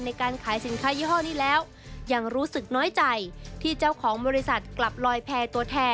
ในการขายสินค้ายี่ห้อนี้แล้ว